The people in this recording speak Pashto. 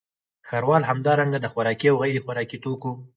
ښاروال همدارنګه د خوراکي او غیرخوراکي توکو